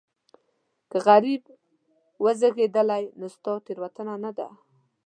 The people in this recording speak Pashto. که غریب وزېږېدلې دا ستا تېروتنه نه ده.